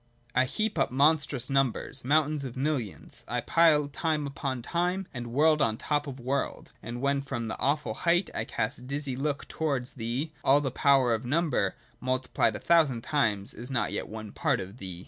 [I heap up monstrous numbers, mountains of millions ; I pile time upon time, and world on the top of world ; and when from the awful height I cast a dizzy look towards Thee, all the power of number, multiplied a thousand times, is not yet one part of Thee.